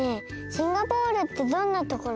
シンガポールってどんなところ？